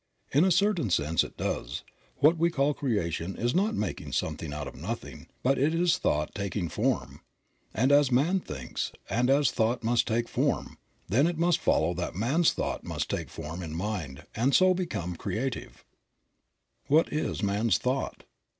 In a certain sense it does. What we call creation is not making something out of nothing, but it is thought taking form. And as man thinks, and as thought must take form, then it must follow that man's thought must take form in mind and so become creative. 1 74 Creative Mind. What is man's thought?